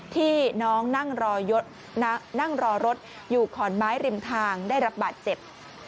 ที่น้องนั่งรอรถอยู่ขอนไม้ริมทางได้รับบาดเจ็บ